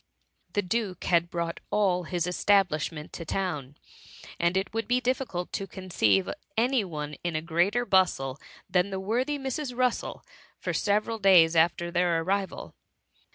The duke had brought all his establishment to town ; and it would be difficult to conceive any one in a greater bustle than the worthy Mrs. Russel for several days after their arrival.